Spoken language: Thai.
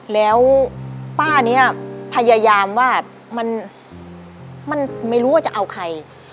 แล้วป้านี้พยายามว่ามันไม่รู้ว่าจะเอาใคร